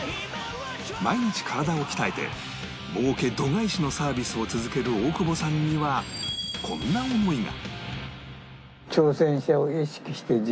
毎日体を鍛えてもうけ度外視のサービスを続ける大久保さんにはと思って。